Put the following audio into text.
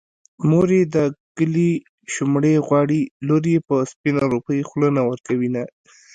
مور يې د کلي شومړې غواړي لور يې په سپينه روپۍ خوله نه ورکوينه